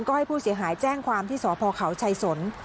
ก็ให้ผู้เสียหายแจ้งความที่สพเขาชัยสน